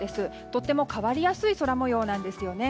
とても変わりやすい空模様なんですよね。